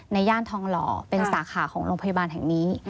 ย่านทองหล่อเป็นสาขาของโรงพยาบาลแห่งนี้